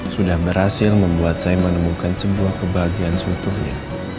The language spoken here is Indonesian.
sudah berhasil membuat saya menemukan sebuah kebahagiaan seutuhnya